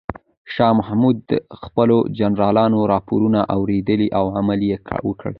شاه محمود د خپلو جنرالانو راپورونه واورېدل او عمل یې وکړ.